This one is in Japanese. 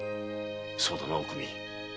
そうだなおくみ。